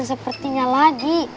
seperti ini lagi